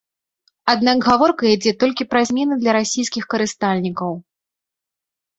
Аднак гаворка ідзе толькі пра змены для расійскіх карыстальнікаў.